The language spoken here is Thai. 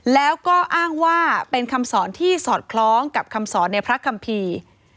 แล้วก็อ้างว่าเป็นคำสอนที่สอดคล้องกับคำสอนในพระคัมภีร์